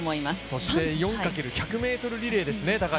そして４×１００ｍリレーですね。